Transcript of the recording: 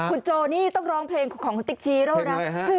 คุณโจนี่ต้องร้องเพลงของคุณติ๊กชี้แล้วนะ